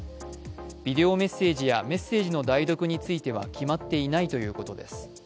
ビデオメッセージやメッセージの代読については決まっていないということです。